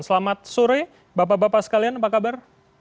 selamat sore bapak bapak sekalian apa kabar